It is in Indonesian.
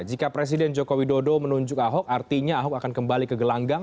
jika presiden joko widodo menunjuk ahok artinya ahok akan kembali ke gelanggang